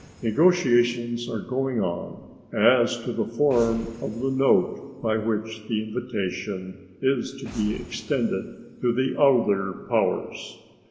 Negotiations are going on as to the form of the note by which the invitation is to be extended to the other powers.